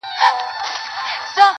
د خویونو څخه الهام واخلو